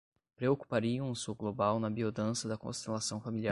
Preocupariam o Sul Global na biodança da constelação familiar